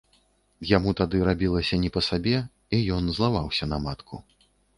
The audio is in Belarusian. Яму тады рабілася не па сабе, і ён злаваўся на матку.